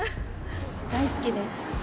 大好きです。